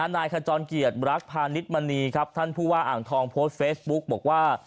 นายขจรเกียรติรักพาณิชมณีครับท่านผู้ว่าอ่างทองโพสต์เฟซบุ๊กบอกว่า